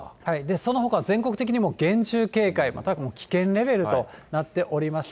そのほか、全国的にも厳重警戒、または危険レベルとなっていまして。